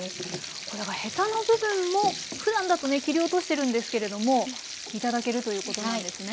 これはヘタの部分もふだんだとね切り落としてるんですけれども頂けるということなんですね。